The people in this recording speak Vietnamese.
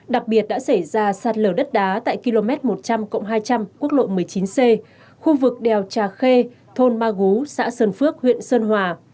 đặc biệt đã xảy ra sạt lở đất đá tại km một trăm linh hai trăm linh quốc lộ một mươi chín c khu vực đèo trà khê thôn ma gú xã sơn phước huyện sơn hòa